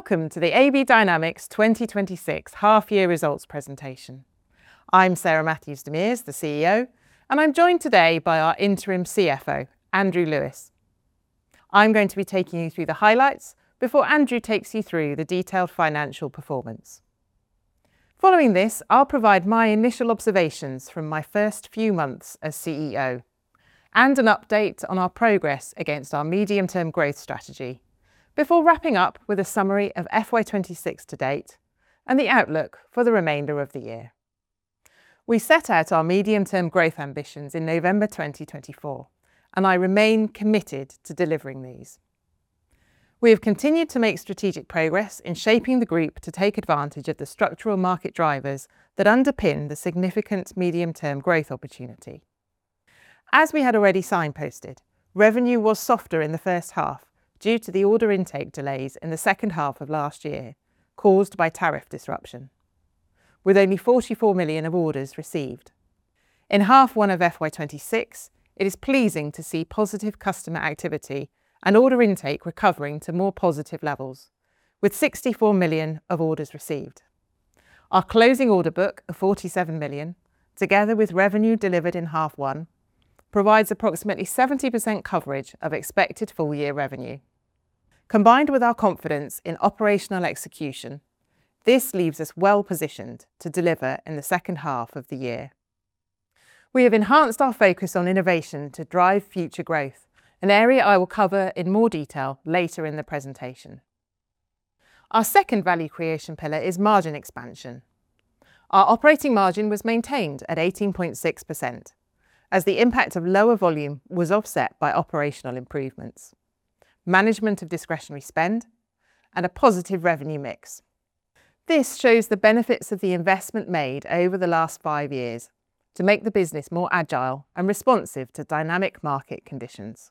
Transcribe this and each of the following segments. Welcome to the AB Dynamics 2026 half-year results presentation. I'm Sarah Matthews-DeMers, the CEO, and I'm joined today by our Interim CFO, Andrew Lewis. I'm going to be taking you through the highlights before Andrew takes you through the detailed financial performance. Following this, I'll provide my initial observations from my first few months as CEO and an update on our progress against our medium-term growth strategy before wrapping up with a summary of FY 2026 to date and the outlook for the remainder of the year. We set out our medium-term growth ambitions in November 2024, and I remain committed to delivering these. We have continued to make strategic progress in shaping the group to take advantage of the structural market drivers that underpin the significant medium-term growth opportunity. As we had already signposted, revenue was softer in the first half due to the order intake delays in the second half of last year caused by tariff disruption, with only 44 million of orders received. In half one of FY 2026, it is pleasing to see positive customer activity and order intake recovering to more positive levels, with 64 million of orders received. Our closing order book of 47 million, together with revenue delivered in half one, provides approximately 70% coverage of expected full-year revenue. Combined with our confidence in operational execution, this leaves us well positioned to deliver in the second half of the year. We have enhanced our focus on innovation to drive future growth, an area I will cover in more detail later in the presentation. Our second value creation pillar is margin expansion. Our operating margin was maintained at 18.6% as the impact of lower volume was offset by operational improvements, management of discretionary spend, and a positive revenue mix. This shows the benefits of the investment made over the last five years to make the business more agile and responsive to dynamic market conditions.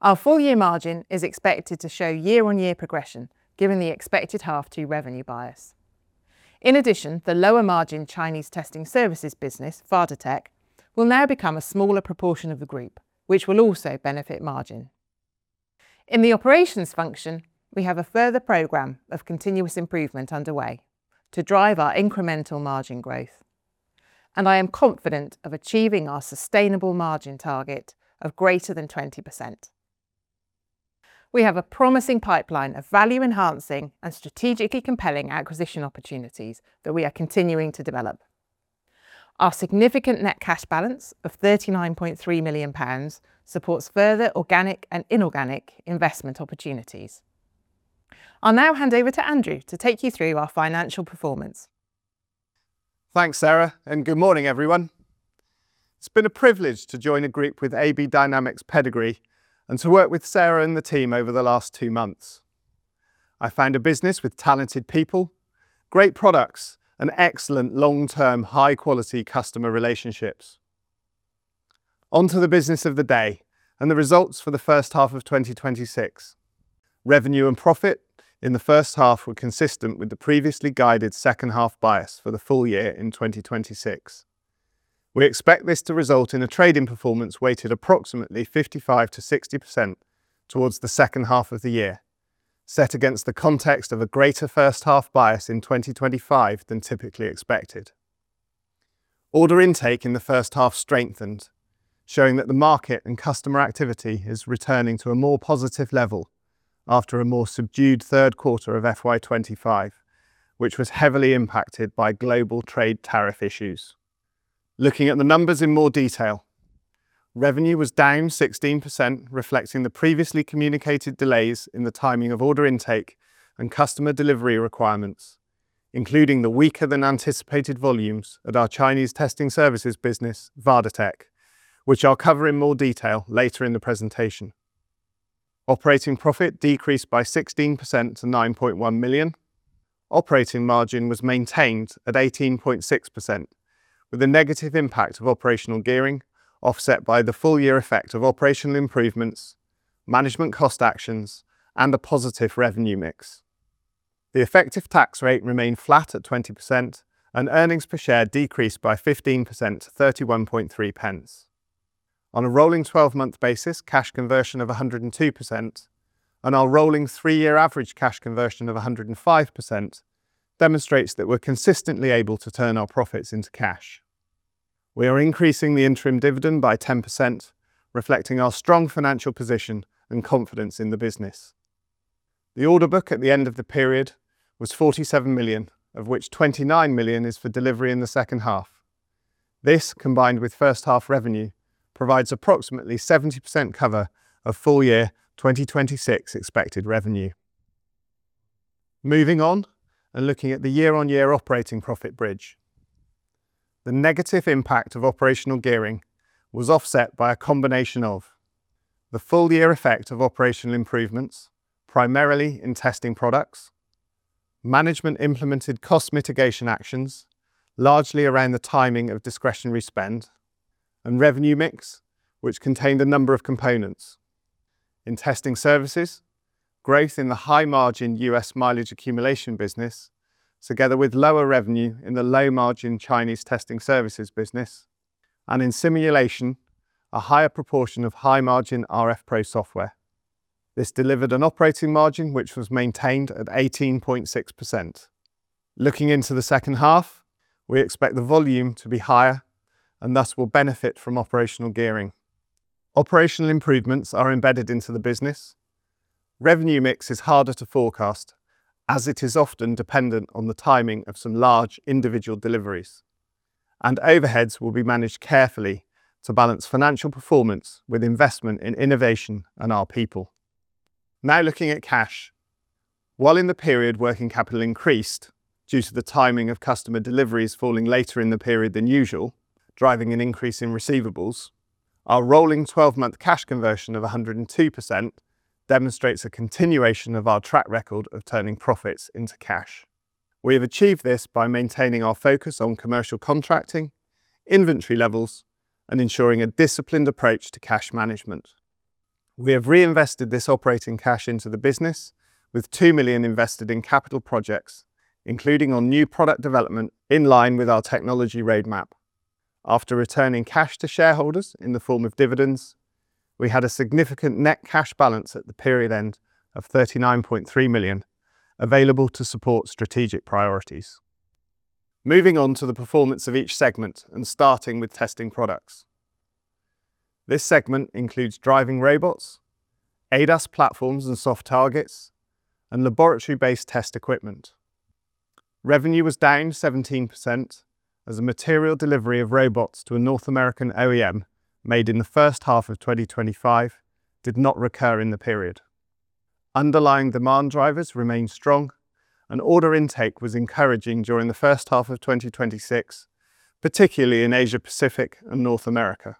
Our full-year margin is expected to show year-on-year progression given the expected half two revenue bias. In addition, the lower-margin Chinese testing services business, VadoTech, will now become a smaller proportion of the group, which will also benefit margin. In the operations function, we have a further program of continuous improvement underway to drive our incremental margin growth, and I am confident of achieving our sustainable margin target of greater than 20%. We have a promising pipeline of value-enhancing and strategically compelling acquisition opportunities that we are continuing to develop. Our significant net cash balance of 39.3 million pounds supports further organic and inorganic investment opportunities. I'll now hand over to Andrew to take you through our financial performance. Thanks, Sarah, and good morning, everyone. It's been a privilege to join a group with AB Dynamics' pedigree and to work with Sarah and the team over the last two months. I found a business with talented people, great products, and excellent long-term, high-quality customer relationships. On to the business of the day and the results for the first half of 2026, revenue and profit in the first half were consistent with the previously guided second half bias for the full year in 2026. We expect this to result in a trading performance weighted approximately 55%-60% towards the second half of the year, set against the context of a greater first half bias in 2025 than typically expected. Order intake in the first half strengthened, showing that the market and customer activity is returning to a more positive level after a more subdued third quarter of FY 2025, which was heavily impacted by global trade tariff issues. Looking at the numbers in more detail, revenue was down 16%, reflecting the previously communicated delays in the timing of order intake and customer delivery requirements, including the weaker than anticipated volumes at our Chinese testing services business, VadoTech, which I'll cover in more detail later in the presentation. Operating profit decreased by 16% to 9.1 million. Operating margin was maintained at 18.6% with the negative impact of operational gearing offset by the full-year effect of operational improvements, management cost actions, and a positive revenue mix. The effective tax rate remained flat at 20% and earnings per share decreased by 15% to 31.3. On a rolling 12-month basis, cash conversion of 102% on our rolling three-year average cash conversion of 105% demonstrates that we're consistently able to turn our profits into cash. We are increasing the interim dividend by 10%, reflecting our strong financial position and confidence in the business. The order book at the end of the period was 47 million, of which 29 million is for delivery in the second half. This, combined with first half revenue, provides approximately 70% cover of full-year 2026 expected revenue. Moving on and looking at the year-on-year operating profit bridge, the negative impact of operational gearing was offset by a combination of the full-year effect of operational improvements, primarily in testing products, management-implemented cost mitigation actions, largely around the timing of discretionary spend, and revenue mix, which contained a number of components. In Testing Services, growth in the high-margin U.S. mileage accumulation business, together with lower revenue in the low-margin Chinese testing services business, and in Simulation, a higher proportion of high-margin rFpro software, this delivered an operating margin, which was maintained at 18.6%. Looking into the second half, we expect the volume to be higher and thus will benefit from operational gearing. Operational improvements are embedded into the business. Revenue mix is harder to forecast, as it is often dependent on the timing of some large individual deliveries. Overheads will be managed carefully to balance financial performance with investment in innovation and our people. Now looking at cash. While in the period working capital increased due to the timing of customer deliveries falling later in the period than usual, driving an increase in receivables, our rolling 12-month cash conversion of 102% demonstrates a continuation of our track record of turning profits into cash. We have achieved this by maintaining our focus on commercial contracting, inventory levels, and ensuring a disciplined approach to cash management. We have reinvested this operating cash into the business with 2 million invested in capital projects, including on new product development in line with our technology roadmap. After returning cash to shareholders in the form of dividends, we had a significant net cash balance at the period end of 39.3 million available to support strategic priorities. Moving on to the performance of each segment and starting with Testing Products, this segment includes driving robots, ADAS platforms and soft targets, and laboratory-based test equipment. Revenue was down 17% as a material delivery of robots to a North American OEM made in the first half of 2025 did not recur in the period. Underlying demand drivers remained strong and order intake was encouraging during the first half of 2026, particularly in Asia-Pacific and North America.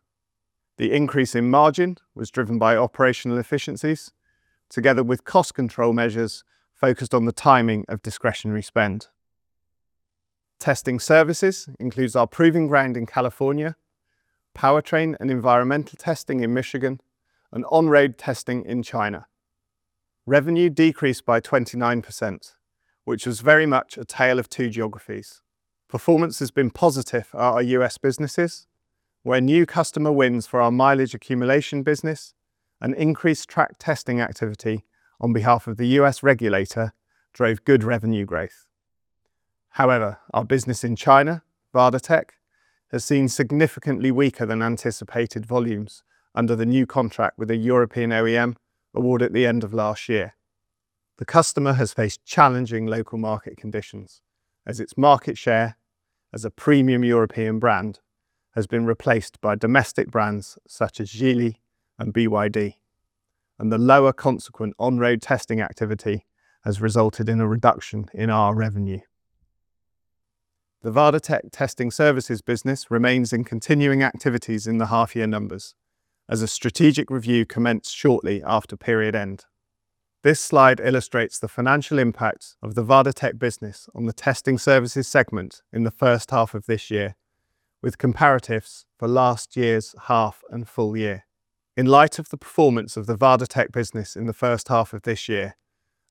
The increase in margin was driven by operational efficiencies together with cost control measures focused on the timing of discretionary spend. Testing Services includes our proving ground in California, powertrain and environmental testing in Michigan, and on-road testing in China. Revenue decreased by 29%, which was very much a tale of two geographies. Performance has been positive at our U.S. businesses, where new customer wins for our mileage accumulation business and increased track testing activity on behalf of the U.S. regulator drove good revenue growth. However, our business in China, VadoTech, has seen significantly weaker than anticipated volumes under the new contract with a European OEM awarded at the end of last year. The customer has faced challenging local market conditions as its market share as a premium European brand has been replaced by domestic brands such as Geely and BYD, and the lower consequent on-road testing activity has resulted in a reduction in our revenue. The VadoTech Testing Services business remains in continuing activities in the half-year numbers as a strategic review commenced shortly after period end. This slide illustrates the financial impact of the VadoTech business on the Testing Services segment in the first half of this year with comparatives for last year's half and full year. In light of the performance of the VadoTech business in the first half of this year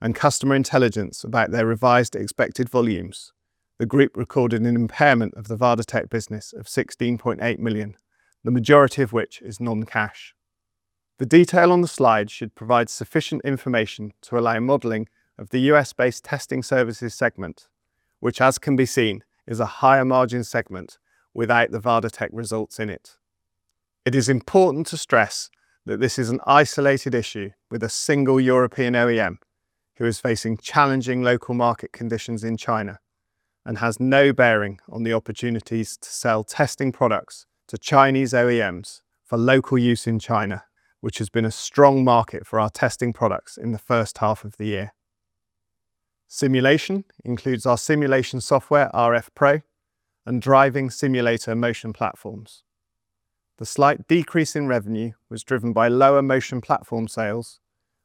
and customer intelligence about their revised expected volumes, the group recorded an impairment of the VadoTech business of 16.8 million, the majority of which is non-cash. The detail on the slide should provide sufficient information to allow modeling of the U.S.-based testing services segment, which as can be seen, is a higher margin segment without the VadoTech results in it. It is important to stress that this is an isolated issue with a single European OEM who is facing challenging local market conditions in China and has no bearing on the opportunities to sell testing products to Chinese OEMs for local use in China, which has been a strong market for our testing products in the first half of the year. Simulation includes our simulation software, rFpro, and driving simulator motion platforms. The slight decrease in revenue was driven by lower motion platform sales,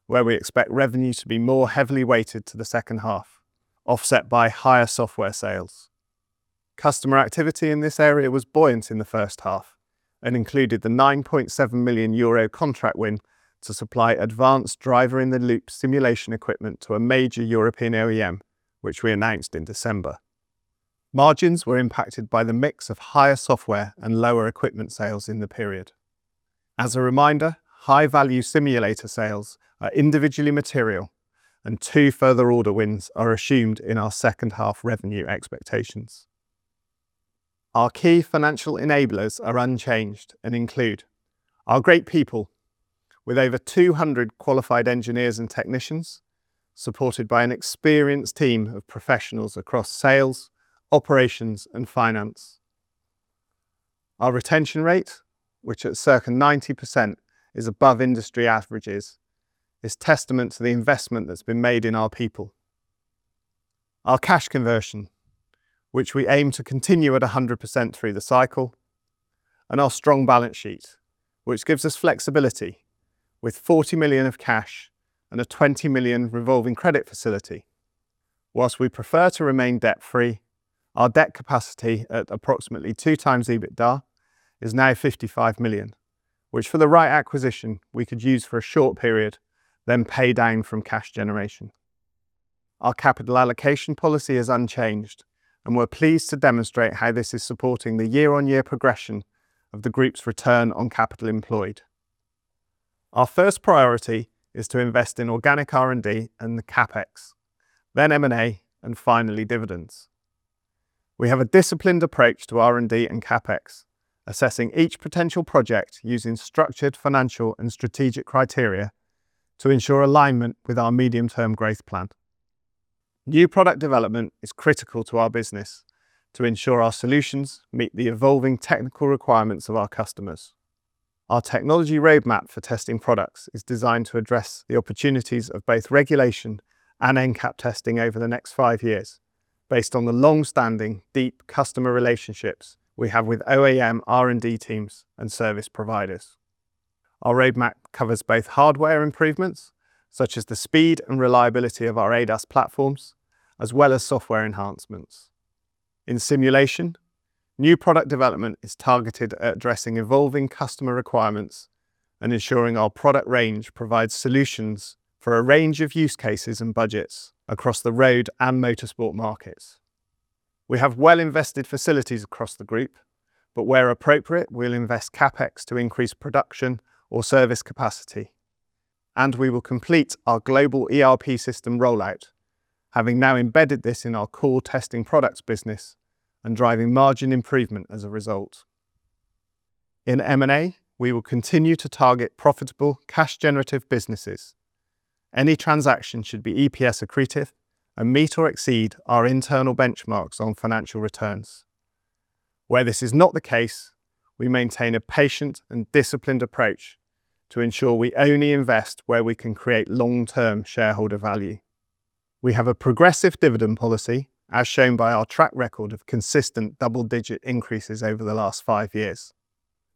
where we expect revenue to be more heavily weighted to the second half, offset by higher software sales. Customer activity in this area was buoyant in the first half and included the 9.7 million euro contract win to supply advanced Driver-in-the-Loop simulation equipment to a major European OEM, which we announced in December. Margins were impacted by the mix of higher software and lower equipment sales in the period. As a reminder, high value simulator sales are individually material and two further order wins are assumed in our second half revenue expectations. Our key financial enablers are unchanged and include our great people with over 200 qualified engineers and technicians, supported by an experienced team of professionals across sales, operations, and finance. Our retention rate, which at circa 90% is above industry averages, is testament to the investment that's been made in our people, our cash conversion, which we aim to continue at 100% through the cycle, and our strong balance sheet, which gives us flexibility with 40 million of cash and a 20 million revolving credit facility. Whilst we prefer to remain debt-free, our debt capacity at approximately 2x EBITDA is now 55 million, which for the right acquisition we could use for a short period, then pay down from cash generation. Our capital allocation policy is unchanged, and we're pleased to demonstrate how this is supporting the year-on-year progression of the group's return on capital employed. Our first priority is to invest in organic R&D and the CapEx, then M&A, and finally, dividends. We have a disciplined approach to R&D and CapEx, assessing each potential project using structured financial and strategic criteria to ensure alignment with our medium-term growth plan. New product development is critical to our business to ensure our solutions meet the evolving technical requirements of our customers. Our technology roadmap for testing products is designed to address the opportunities of both regulation and NCAP testing over the next five years based on the longstanding deep customer relationships we have with OEM, R&D teams, and service providers. Our roadmap covers both hardware improvements, such as the speed and reliability of our ADAS platforms, as well as software enhancements. In simulation, new product development is targeted at addressing evolving customer requirements and ensuring our product range provides solutions for a range of use cases and budgets across the road and motorsport markets. We have well-invested facilities across the group, but where appropriate, we'll invest CapEx to increase production or service capacity, and we will complete our global ERP system rollout, having now embedded this in our core testing products business and driving margin improvement as a result. In M&A, we will continue to target profitable cash-generative businesses. Any transaction should be EPS accretive and meet or exceed our internal benchmarks on financial returns. Where this is not the case, we maintain a patient and disciplined approach to ensure we only invest where we can create long-term shareholder value. We have a progressive dividend policy, as shown by our track record of consistent double-digit increases over the last five years.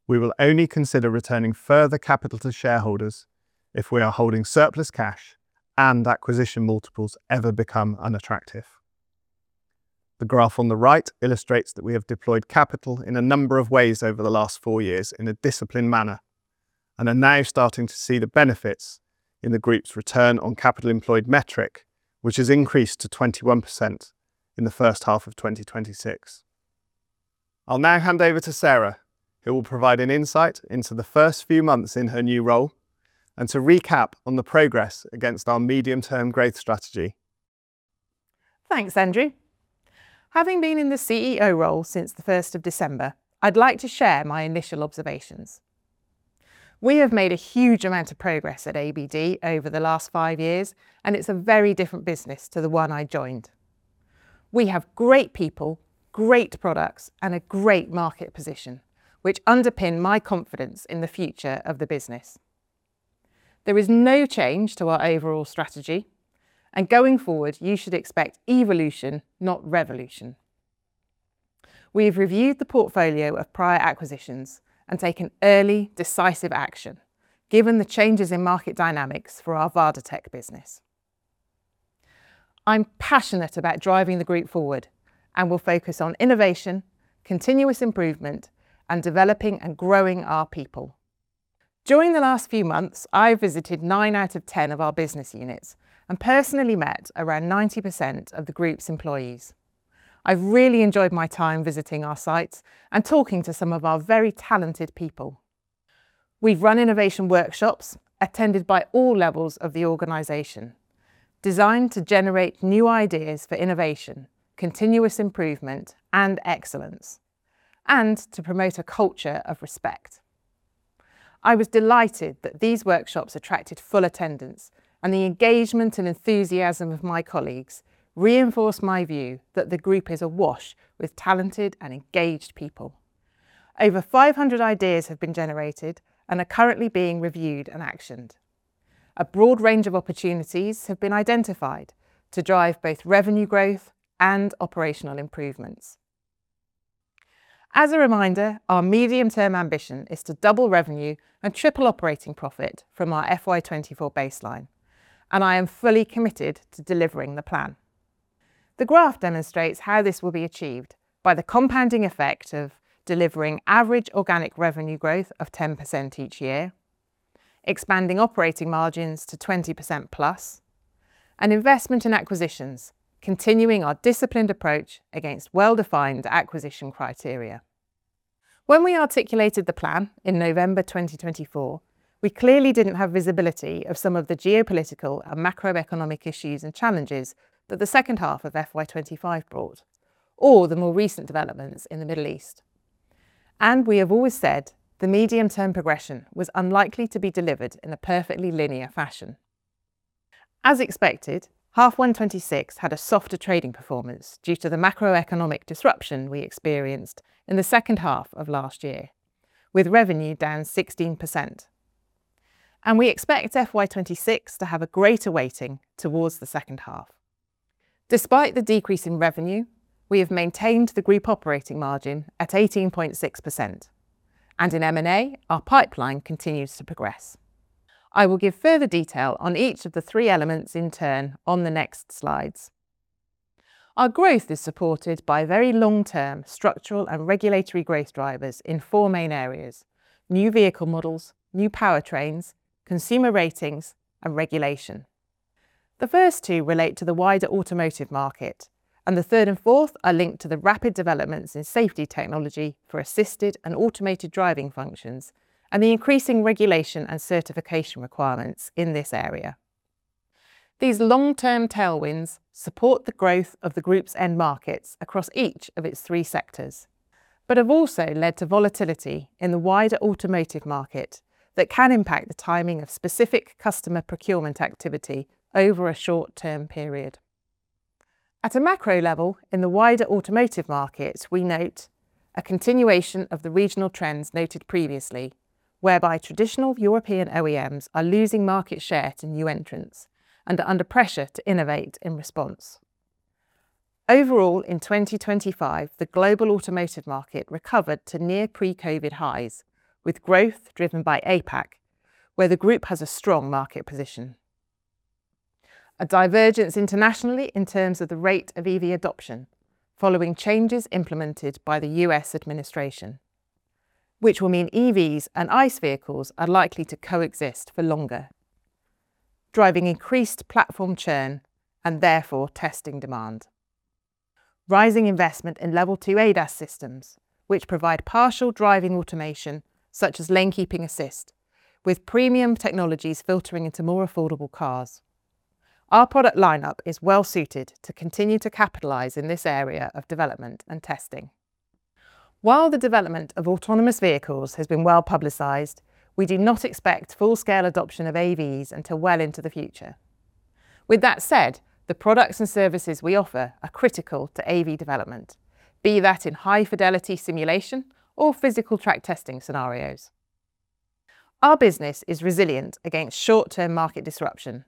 We will only consider returning further capital to shareholders if we are holding surplus cash and acquisition multiples ever become unattractive. The graph on the right illustrates that we have deployed capital in a number of ways over the last four years in a disciplined manner and are now starting to see the benefits in the group's return on capital employed metric, which has increased to 21% in the first half of 2026. I'll now hand over to Sarah, who will provide an insight into the first few months in her new role and to recap on the progress against our medium-term growth strategy. Thanks, Andrew. Having been in the CEO role since the 1st of December, I'd like to share my initial observations. We have made a huge amount of progress at ABD over the last five years, and it's a very different business to the one I joined. We have great people, great products, and a great market position, which underpin my confidence in the future of the business. There is no change to our overall strategy, and going forward, you should expect evolution, not revolution. We've reviewed the portfolio of prior acquisitions and taken early decisive action, given the changes in market dynamics for our VadoTech business. I'm passionate about driving the group forward and will focus on innovation, continuous improvement, and developing and growing our people. During the last few months, I visited nine out of 10 of our business units and personally met around 90% of the group's employees. I've really enjoyed my time visiting our sites and talking to some of our very talented people. We've run innovation workshops attended by all levels of the organization, designed to generate new ideas for innovation, continuous improvement, and excellence, and to promote a culture of respect. I was delighted that these workshops attracted full attendance, and the engagement and enthusiasm of my colleagues reinforced my view that the group is awash with talented and engaged people. Over 500 ideas have been generated and are currently being reviewed and actioned. A broad range of opportunities have been identified to drive both revenue growth and operational improvements. As a reminder, our medium-term ambition is to double revenue and triple operating profit from our FY 2024 baseline, and I am fully committed to delivering the plan. The graph demonstrates how this will be achieved by the compounding effect of delivering average organic revenue growth of 10% each year, expanding operating margins to 20%+, and investment in acquisitions, continuing our disciplined approach against well-defined acquisition criteria. When we articulated the plan in November 2024, we clearly didn't have visibility of some of the geopolitical and macroeconomic issues and challenges that the second half of FY 2025 brought or the more recent developments in the Middle East. We have always said the medium-term progression was unlikely to be delivered in a perfectly linear fashion. As expected, half one 2026 had a softer trading performance due to the macroeconomic disruption we experienced in the second half of last year, with revenue down 16%. We expect FY 2026 to have a greater weighting towards the second half. Despite the decrease in revenue, we have maintained the group operating margin at 18.6%, and in M&A, our pipeline continues to progress. I will give further detail on each of the three elements in turn on the next slides. Our growth is supported by very long-term structural and regulatory growth drivers in four main areas, new vehicle models, new powertrains, consumer ratings, and regulation. The first two relate to the wider automotive market, and the third and fourth are linked to the rapid developments in safety technology for assisted and automated driving functions and the increasing regulation and certification requirements in this area. These long-term tailwinds support the growth of the group's end markets across each of its three sectors, but have also led to volatility in the wider automotive market that can impact the timing of specific customer procurement activity over a short-term period. At a macro level in the wider automotive market, we note a continuation of the regional trends noted previously, whereby traditional European OEMs are losing market share to new entrants and are under pressure to innovate in response. Overall, in 2025, the global automotive market recovered to near pre-COVID highs, with growth driven by APAC, where the group has a strong market position. A divergence internationally in terms of the rate of EV adoption following changes implemented by the U.S. administration, which will mean EVs and ICE vehicles are likely to coexist for longer, driving increased platform churn and therefore testing demand. Rising investment in Level 2 ADAS systems, which provide partial driving automation such as lane keeping assist with premium technologies filtering into more affordable cars. Our product lineup is well suited to continue to capitalize in this area of development and testing. While the development of autonomous vehicles has been well-publicized, we do not expect full-scale adoption of AVs until well into the future. With that said, the products and services we offer are critical to AV development, be that in high-fidelity simulation or physical track testing scenarios. Our business is resilient against short-term market disruption,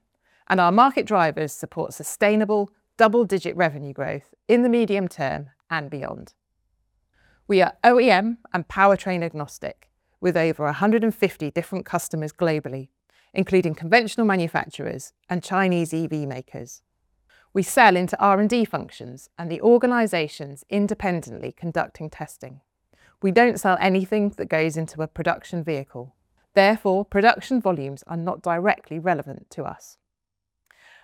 and our market drivers support sustainable double-digit revenue growth in the medium term and beyond. We are OEM and powertrain agnostic with over 150 different customers globally, including conventional manufacturers and Chinese EV makers. We sell into R&D functions and the organizations independently conducting testing. We don't sell anything that goes into a production vehicle. Therefore, production volumes are not directly relevant to us.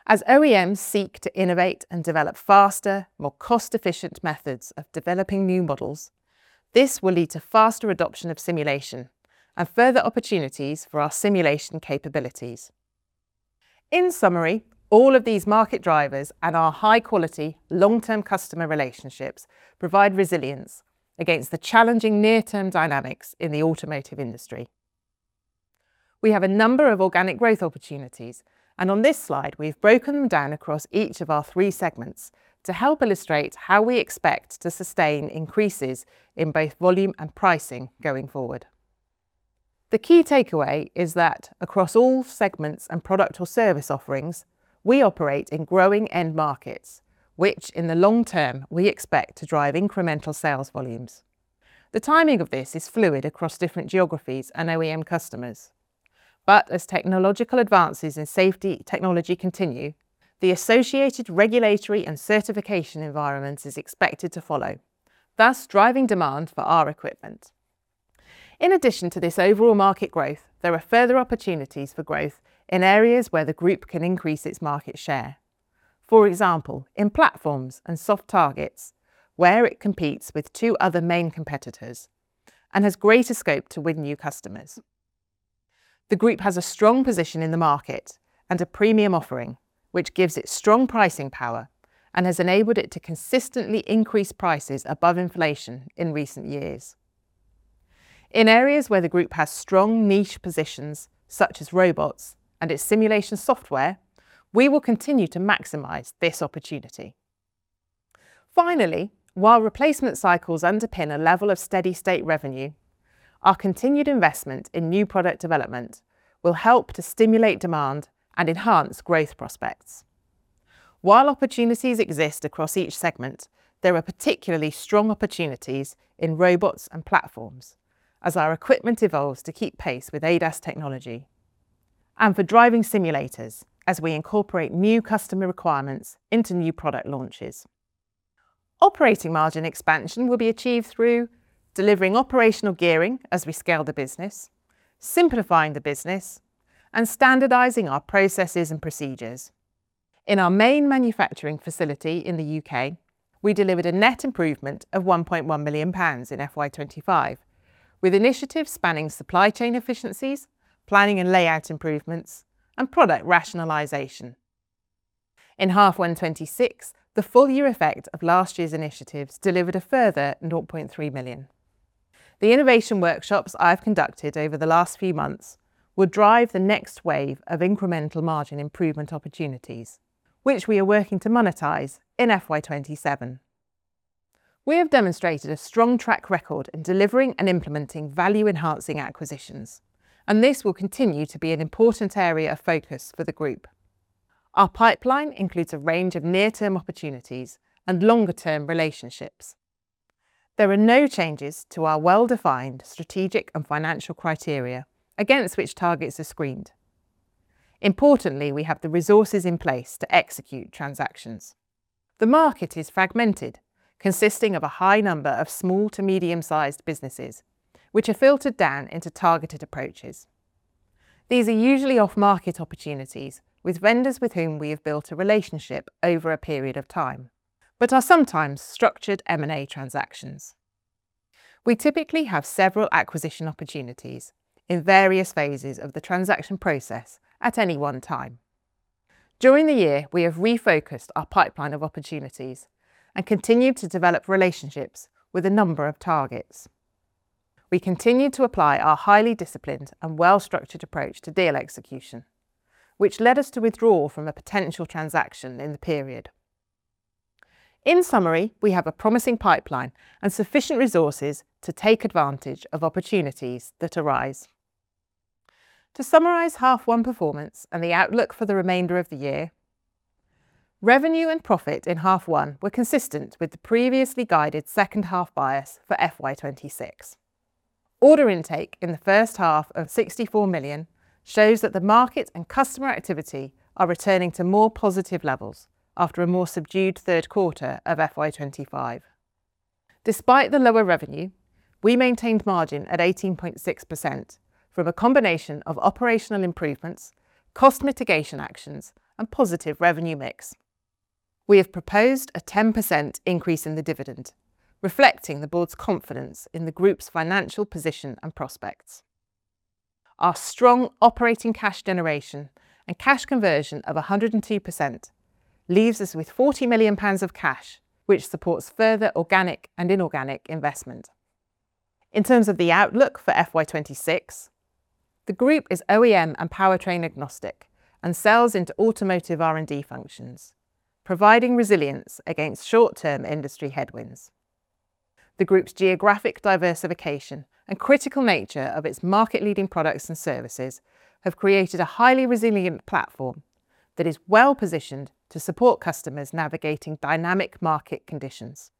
As OEMs seek to innovate and develop faster, more cost-efficient methods of developing new models, this will lead to faster adoption of simulation and further opportunities for our simulation capabilities. In summary, all of these market drivers and our high-quality, long-term customer relationships provide resilience against the challenging near-term dynamics in the automotive industry. We have a number of organic growth opportunities, and on this slide, we've broken them down across each of our three segments to help illustrate how we expect to sustain increases in both volume and pricing going forward. The key takeaway is that across all segments and product or service offerings, we operate in growing end markets, which in the long term, we expect to drive incremental sales volumes. The timing of this is fluid across different geographies and OEM customers. As technological advances in safety technology continue, the associated regulatory and certification environment is expected to follow, thus driving demand for our equipment. In addition to this overall market growth, there are further opportunities for growth in areas where the group can increase its market share. For example, in platforms and soft targets where it competes with two other main competitors and has greater scope to win new customers. The group has a strong position in the market and a premium offering, which gives it strong pricing power and has enabled it to consistently increase prices above inflation in recent years. In areas where the group has strong niche positions such as robots and its simulation software, we will continue to maximize this opportunity. Finally, while replacement cycles underpin a level of steady-state revenue, our continued investment in new product development will help to stimulate demand and enhance growth prospects. While opportunities exist across each segment, there are particularly strong opportunities in robots and platforms as our equipment evolves to keep pace with ADAS technology and for driving simulators as we incorporate new customer requirements into new product launches. Operating margin expansion will be achieved through delivering operational gearing as we scale the business, simplifying the business, and standardizing our processes and procedures. In our main manufacturing facility in the U.K., we delivered a net improvement of 1.1 million pounds in FY 2025, with initiatives spanning supply chain efficiencies, planning and layout improvements, and product rationalization. In half one 2026, the full year effect of last year's initiatives delivered a further 0.3 million. The innovation workshops I've conducted over the last few months will drive the next wave of incremental margin improvement opportunities, which we are working to monetize in FY 2027. We have demonstrated a strong track record in delivering and implementing value-enhancing acquisitions, and this will continue to be an important area of focus for the group. Our pipeline includes a range of near-term opportunities and longer-term relationships. There are no changes to our well-defined strategic and financial criteria against which targets are screened. Importantly, we have the resources in place to execute transactions. The market is fragmented, consisting of a high number of small to medium-sized businesses, which are filtered down into targeted approaches. These are usually off-market opportunities with vendors with whom we have built a relationship over a period of time, but are sometimes structured M&A transactions. We typically have several acquisition opportunities in various phases of the transaction process at any one time. During the year, we have refocused our pipeline of opportunities and continued to develop relationships with a number of targets. We continued to apply our highly disciplined and well-structured approach to deal execution, which led us to withdraw from a potential transaction in the period. In summary, we have a promising pipeline and sufficient resources to take advantage of opportunities that arise. To summarize half one performance and the outlook for the remainder of the year, revenue and profit in half one were consistent with the previously guided second half bias for FY 2026. Order intake in the first half of 64 million shows that the market and customer activity are returning to more positive levels after a more subdued third quarter of FY 2025. Despite the lower revenue, we maintained margin at 18.6% from a combination of operational improvements, cost mitigation actions, and positive revenue mix. We have proposed a 10% increase in the dividend, reflecting the Board's confidence in the group's financial position and prospects. Our strong operating cash generation and cash conversion of 102% leaves us with 40 million pounds of cash, which supports further organic and inorganic investment. In terms of the outlook for FY 2026, the group is OEM and powertrain agnostic and sells into automotive R&D functions, providing resilience against short-term industry headwinds. The group's geographic diversification and critical nature of its market-leading products and services have created a highly resilient platform that is well-positioned to support customers navigating dynamic market conditions.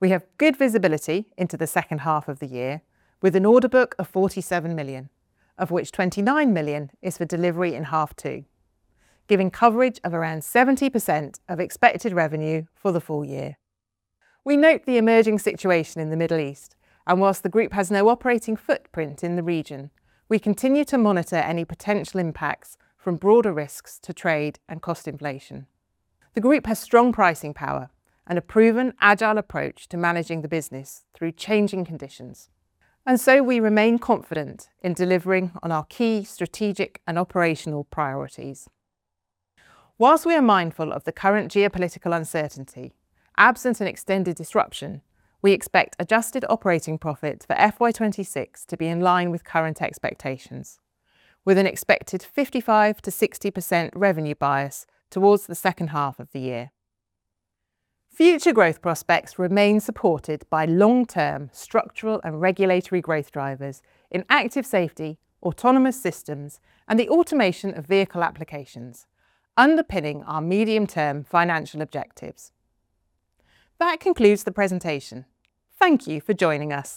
We have good visibility into the second half of the year with an order book of 47 million, of which 29 million is for delivery in half two, giving coverage of around 70% of expected revenue for the full year. We note the emerging situation in the Middle East, and whilst the group has no operating footprint in the region, we continue to monitor any potential impacts from broader risks to trade and cost inflation. The group has strong pricing power and a proven agile approach to managing the business through changing conditions, and so we remain confident in delivering on our key strategic and operational priorities. Whilst we are mindful of the current geopolitical uncertainty, absent an extended disruption, we expect adjusted operating profit for FY 2026 to be in line with current expectations, with an expected 55%-60% revenue bias towards the second half of the year. Future growth prospects remain supported by long-term structural and regulatory growth drivers in active safety, autonomous systems, and the automation of vehicle applications, underpinning our medium-term financial objectives. That concludes the presentation. Thank you for joining us.